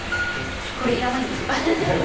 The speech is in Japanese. これ、いらないんですよ。